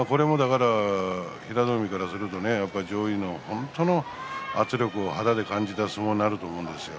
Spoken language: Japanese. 平戸海からするとこれは上位の本当の圧力を肌で感じた相撲になると思うんですよ。